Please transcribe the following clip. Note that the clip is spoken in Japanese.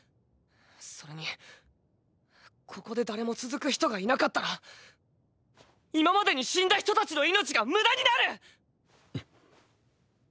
それにここで誰も続く人がいなかったら今までに死んだ人たちの命が無駄になる！